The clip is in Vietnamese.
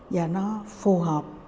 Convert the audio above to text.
và nó phù hợp